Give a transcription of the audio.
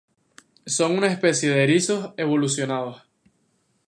Son una especie de erizos evolucionados.